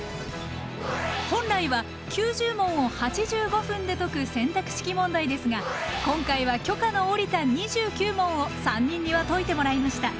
本来は９０問を８５分で解く選択式問題ですが今回は許可の下りた２９問を３人には解いてもらいました！